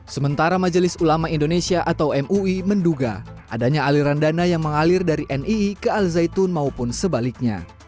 sementara majelis ulama indonesia atau mui menduga adanya aliran dana yang mengalir dari nii ke al zaitun maupun sebaliknya